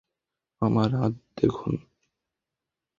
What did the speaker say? আমার হাত দেখুন।